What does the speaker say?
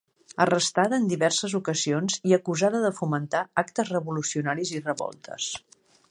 Arrestada en diverses ocasions i acusada de fomentar actes revolucionaris i revoltes.